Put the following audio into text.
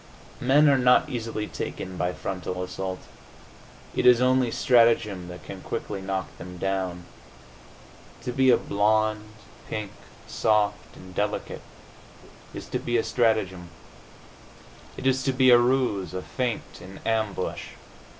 Men are not easily taken by frontal assault; it is only strategem that can quickly knock them down. To be a blonde, pink, soft and delicate, is to be a strategem. It is to be a ruse, a feint, an ambush.